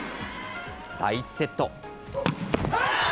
第１セット。